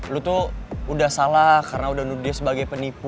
lo tuh udah salah karena udah nudih sebagai penipu